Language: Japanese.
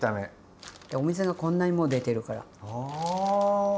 お水がこんなにもう出てるから。